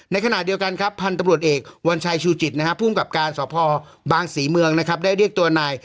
ในขณะเดียวกันพันธุ์ตำรวจเอกวัญชัยชูจิตผู้กับการสภบางศรีเมืองได้เรียกตัวนาย